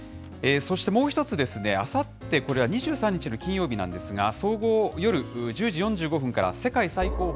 そしてもう１つ、あさって、これは２３日の金曜日なんですが、総合夜１０時４５分から、世界最高峰！